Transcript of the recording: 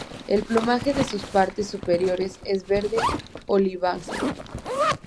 El plumaje de sus partes superiores es verde oliváceo.